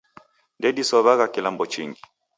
Ndedisow'agha kilambo chingi.